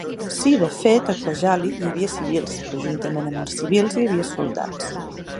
Sí, de fet, a Khojaly hi havia civils, però juntament amb els civils hi havia soldats.